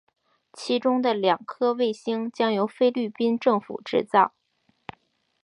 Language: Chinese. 其中的两颗卫星将由菲律宾政府制造。